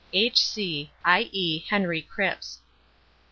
H. C. (_i.e. HEN. CRIPPS.